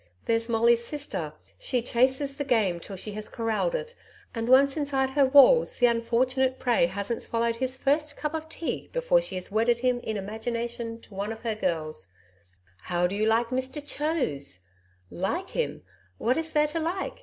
There's Molly's sister she chases the game till she has corralled it, and once inside her walls the unfortunate prey hasn't swallowed his first cup of tea before she has wedded him in imagination to one of her girls "How do you like Mr CHOSE?" "Like him? What is there to like?